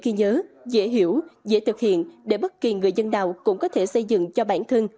những thông tin dễ nhớ dễ hiểu dễ thực hiện để bất kỳ người dân nào cũng có thể xây dựng cho bản thân